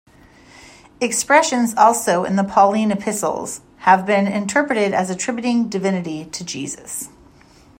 Expressions also in the Pauline epistles have been interpreted as attributing divinity to Jesus.